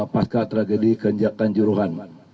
pasca tragedi kenjakan juruhan